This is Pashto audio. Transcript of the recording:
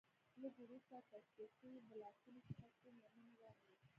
لږ وروسته د تصفیه شویو بلاکونو څخه څو مېرمنې راغلې